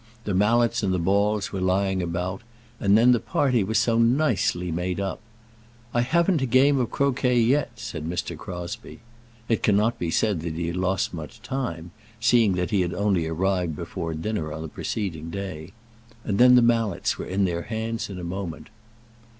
The mallets and the balls were lying about; and then the party was so nicely made up! "I haven't had a game of croquet yet," said Mr. Crosbie. It cannot be said that he had lost much time, seeing that he had only arrived before dinner on the preceding day. And then the mallets were in their hands in a moment.